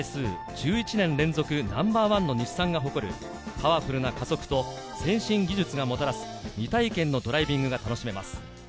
１１年連続Ｎｏ．１の日産が誇るパワフルな加速と先進技術がもたらす未体験のドライビングが楽しめます。